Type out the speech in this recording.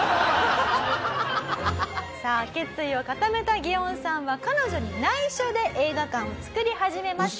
さあ決意を固めたギオンさんは彼女に内緒で映画館を作り始めました。